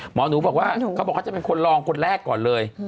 หมอหนูบอกว่าเขาบอกเขาจะเป็นคนลองคนแรกก่อนเลย